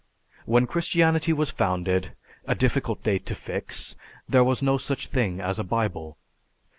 When Christianity was founded a difficult date to fix there was no such thing as a Bible.